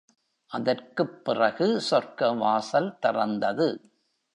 அதற்குப் பிறகு சொர்க்கவாசல் திறந்தது.